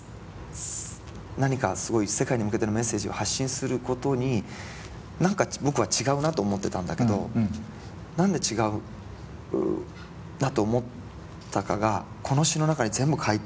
何か世界に向けてのメッセージを発信することに何か僕は違うなと思ってたんだけど何で違うんだと思ったかがこの詞の中に全部書いてあるって思って。